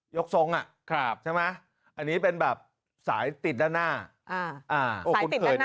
ทรงอ่ะใช่ไหมอันนี้เป็นแบบสายติดด้านหน้าโอ้คุ้นเคยนะ